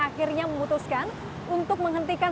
akhirnya memutuskan untuk menghentikan